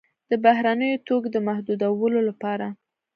د بهرنیو توکو د محدودولو لپاره.